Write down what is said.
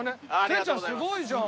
てっちゃんすごいじゃん！